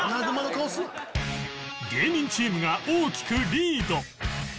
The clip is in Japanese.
芸人チームが大きくリード